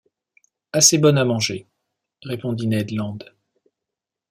Assez bonne à manger, répondit Ned Land.